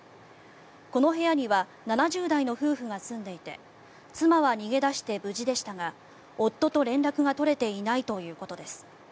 この部屋には７０代の夫婦が住んでいて妻は逃げ出して無事でしたが夫と連絡が取れていないということです。